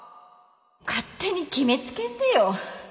勝手に決めつけんでよ。